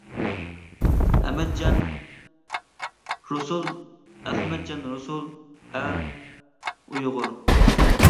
ئەمەتجان رۇسۇل ئەمەتجان رۇسۇل، ئەر، ئۇيغۇر.